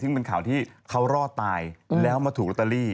ซึ่งเป็นข่าวที่เขารอดตายแล้วมาถูกลอตเตอรี่